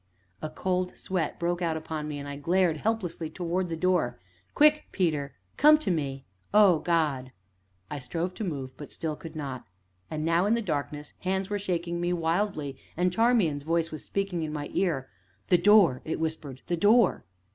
A cold sweat broke out upon me and I glared helplessly, towards the door. "Quick, Peter! come to me oh, God!" I strove to move, but still I could not. And now, in the darkness, hands were shaking me wildly, and Charmian's voice was speaking in my ear. "The door!" it whispered, "the door!"